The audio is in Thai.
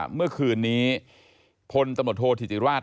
เมื่อคืนนี้พลตำรวจโทษธิติราช